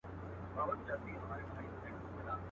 د ګنجي په ژبه بل ګنجی پوهېږي.